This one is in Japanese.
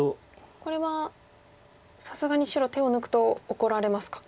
これはさすがに白手を抜くと怒られますか。